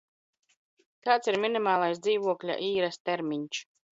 Kāds ir minimālais dzīvokļa īres termiņš?